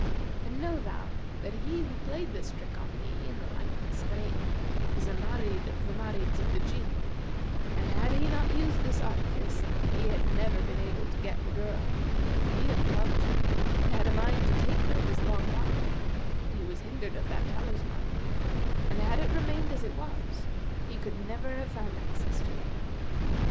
And know thou that he who played this trick on thee in the likeness of an ape, is a Marid of the Marids of the Jinn; and had he not used this artifice, he had never been able to get the girl; for he hath loved her and had a mind to take her this long while, but he was hindered of that talisman; and had it remained as it was, he could never have found access to her.